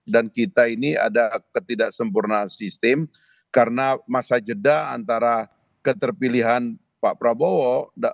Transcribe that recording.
dan kita ini ada ketidaksempurnaan sistem karena masa jeda antara keterpilihan pak prabowo